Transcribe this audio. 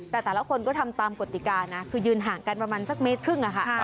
แต่แต่ละคนก็ทำตามกติกานะคือยืนห่างกันประมาณสักเมตรครึ่งอะค่ะ